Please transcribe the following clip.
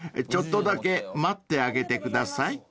ちょっとだけ待ってあげてください］